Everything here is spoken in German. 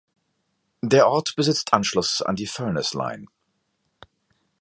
Der Ort besitzt Anschluss an die Furness Line.